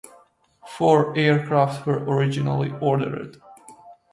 Four aircraft were originally ordered.